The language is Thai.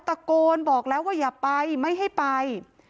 ตะโกนบอกแล้วว่าอย่าไปไม่ให้ไป